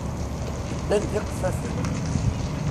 Ddan d iqeffafen.